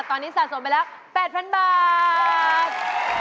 ตอนนี้สะสมไปแล้ว๘๐๐๐บาท